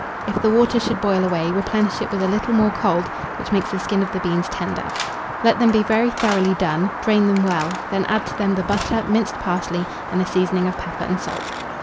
If the water should boil away, replenish it with a little more cold, which makes the skin of the beans tender. Let them be very thoroughly done; drain them well; then add to them the butter, minced parsley, and a seasoning of pepper and salt.